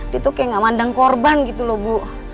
dia tuh kayak gak mandang korban gitu loh bu